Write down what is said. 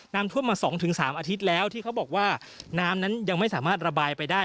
น้ำท่วมมา๒๓อาทิตย์แล้วที่เขาบอกว่าน้ำนั้นยังไม่สามารถระบายไปได้